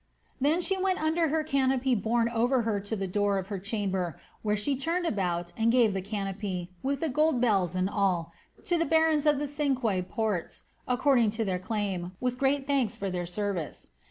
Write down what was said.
Then she went under her canopy borne over her to the door of her chamber, where she turned about and gave the canopy, with the golden bells and all, to the barons of the cinque ports, according to their claim, with great thanks for their service.